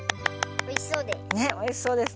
おいしそうです。